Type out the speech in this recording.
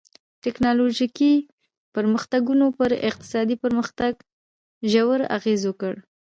ټکنالوژیکي پرمختګونو پر اقتصادي پرمختګ ژور اغېز وکړ.